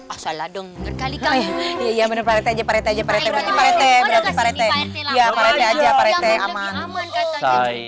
asal ladeng sekali kaya man libraries